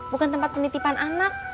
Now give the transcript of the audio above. bukan tempat penitipan anak